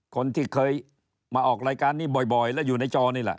คนที่เคยมาออกรายการนี้บ่อยและอยู่ในจอนี่แหละ